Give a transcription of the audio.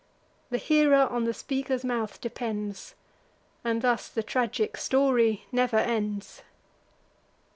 The hearer on the speaker's mouth depends, And thus the tragic story never ends.